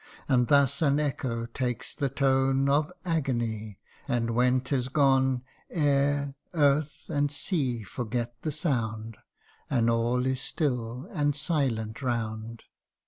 And thus an echo takes the tone Of agony : and when 'tis gone, Air, earth, and sea forget the sound, And all is still and silent round.